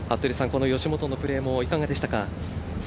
この吉本のプレーもいかがでしたか。